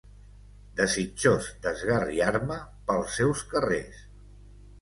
Desitjós d'esgarriar-me pels seus carrers